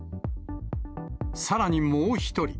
さらにもう一人。